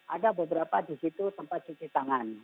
ada beberapa di situ tempat cuci tangan